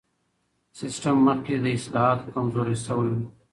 سیستم مخکې له اصلاحاتو کمزوری سوی و.